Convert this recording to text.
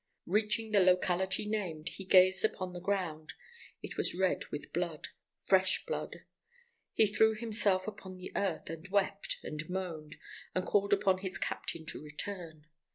Reaching the locality named, he gazed upon the ground. It was red with blood—fresh blood. He threw himself upon the earth, and wept and moaned, and called upon his captain to return.